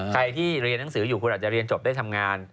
ใครที่เรียนหนังสืออยู่คุณอาจจะเรียนจบได้ทำงาน